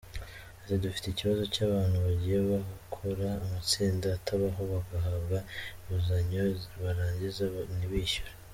Ati “Dufite ikibazo cy’abantu bagiye bakora amatsinda atabaho bagahabwa inguzanyo barangiza ntibishyure.